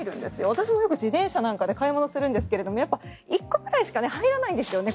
私もよく自転車なんかで買い物するんですがやっぱり、１個ぐらいしか入らないですよね。